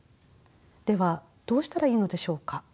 ではどうしたらいいのでしょうか。